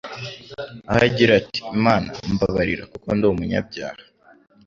aho agira ati: «Mana mbabarira kuko ndi umvnyabyaha."»